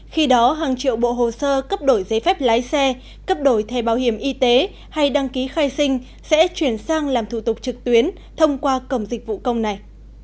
khi đó hàng triệu bộ hồ sơ cấp đổi giấy phép lái xe cấp đổi thẻ bảo hiểm y tế hay đăng ký khai sinh sẽ chuyển sang làm thủ tục trực tuyến thông qua cổng dịch vụ công này